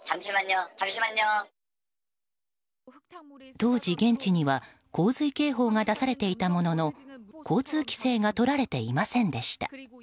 当時、現地には洪水警報が出されていたものの交通規制がとられていませんでした。